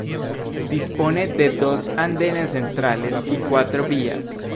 Dispone de dos andenes centrales y de cuatro vías.